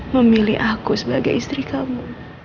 memilih aku sebagai istri kamu